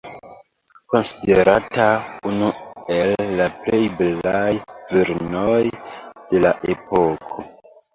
Konsiderata unu el la plej belaj virinoj de la epoko.